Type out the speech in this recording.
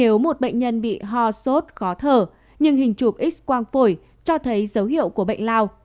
nếu một bệnh nhân bị ho sốt khó thở nhưng hình chụp x quang phổi cho thấy dấu hiệu của bệnh lao